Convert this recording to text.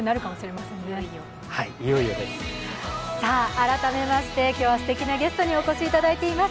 改めまして今日はすてきなゲストにお越しいただいています。